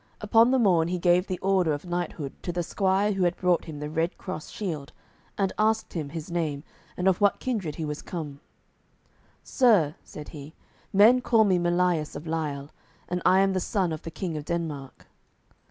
Upon the morn he gave the order of knighthood to the squire who had brought him the red cross shield, and asked him his name, and of what kindred he was come. "Sir," said he, "men call me Melias of Lile, and I am the son of the King of Denmark."